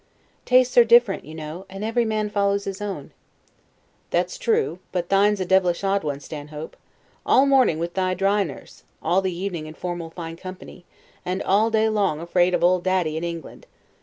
Stanhope. Tastes are different, you know, and every man follows his own. Englishman. That's true; but thine's a devilish odd one, Stanhope. All morning with thy dry nurse; all the evening in formal fine company; and all day long afraid of Old Daddy in England.